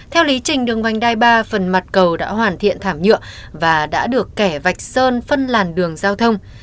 theo lý trình đường vành đai ba phần mặt cầu đã hoàn thiện thảm nhựa và đã được kẻ vạch sơn phân làn đường giao thông